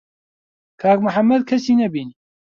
کاک محەممەد کەسی نەبینی.